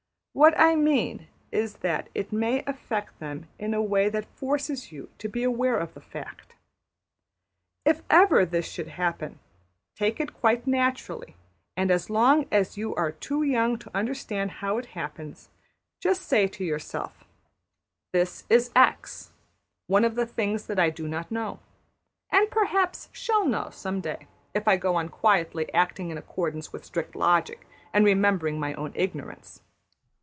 What I mean is that it may affect them in a way that forces you to be aware of the fact. If ever this should happen, take it quite naturally; and as long as you are too young to understand how it happens, just say to yourself, ``This is $x$, one of the things that I do not know, and perhaps shall know some day if I go on quietly acting in accordance with strict logic, and remembering my own ignorance.''